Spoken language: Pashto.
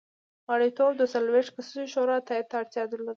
غړیتوب د څلوېښت کسیزې شورا تایید ته اړتیا درلوده.